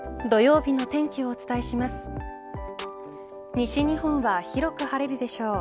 西日本は広く晴れるでしょう。